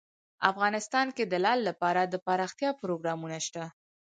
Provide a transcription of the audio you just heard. افغانستان کې د لعل لپاره دپرمختیا پروګرامونه شته.